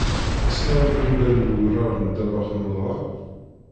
Tessneḍ ilugan n wurar n ddabex n uḍar?